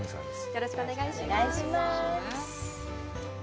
よろしくお願いします。